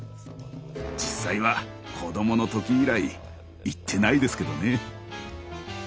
実際は子供の時以来行ってないですけどね。